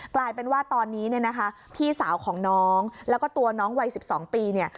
กลายเป็นว่าตอนนี้เนี่ยนะคะพี่สาวของน้องแล้วก็ตัวน้องวัย๑๒ปีเนี่ย